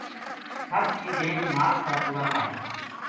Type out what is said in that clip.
ست چیدین ماس کا پورا کر